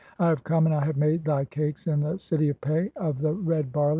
(33) "I have come, and I have made thy cakes in the city "of Pe of the red barley.